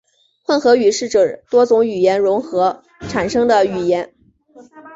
混合语是指多种语言融合产生的语言。